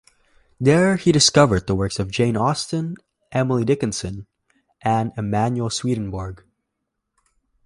There he discovered the works of Jane Austen, Emily Dickinson, and Emanuel Swedenborg.